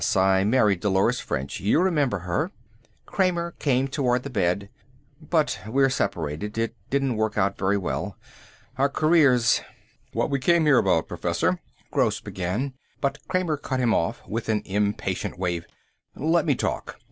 I married Dolores French. You remember her." Kramer came toward the bed. "But we're separated. It didn't work out very well. Our careers " "What we came here about, Professor," Gross began, but Kramer cut him off with an impatient wave. "Let me talk.